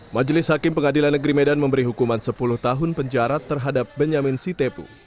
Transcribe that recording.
majelis hakim pengadilan negeri medan memberi hukuman sepuluh tahun penjara terhadap benyamin sitepu